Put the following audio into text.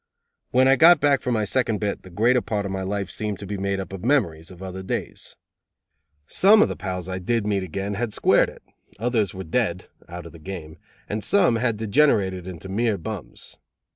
When I got back from my second bit the greater part of my life seemed to be made up of memories of other days. Some of the old pals I did meet again had squared it, others were "dead" (out of the game) and some had degenerated into mere bums.